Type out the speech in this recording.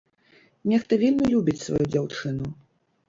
Нехта вельмі любіць сваю дзяўчыну.